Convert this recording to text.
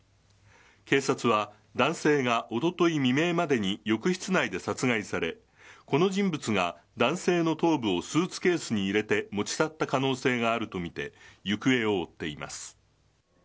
警察は、男性がおととい未明までに浴室内で殺害され、この人物が男性の頭部をスーツケースに入れて持ち去った可能性があると見て、行方を追っています。